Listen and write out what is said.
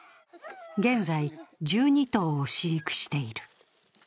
現在、１２頭を飼育している。